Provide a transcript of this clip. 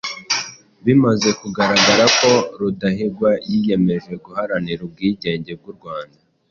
bimaze kugaragara ko Rudahigwa yiyemeje guharanira ubwigenge bw'u Rwanda